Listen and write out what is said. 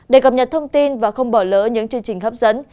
để cập nhật thông tin và không bỏ lỡ những chương trình hấp dẫn